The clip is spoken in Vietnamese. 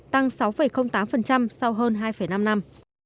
tăng sáu tám sau hơn hai năm năm